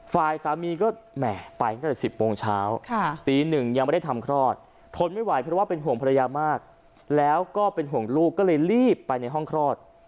ฝ่ายสามีก็แหม่ไปตั้งแต่๑๐โมงเช้าตีหนึ่งยังไม่ได้ทำคลอดทนไม่ไหวเพราะว่าเป็นห่วงภรรยามากแล้วก็เป็นห่วงลูกก็เลยรีบไปในห้องคลอด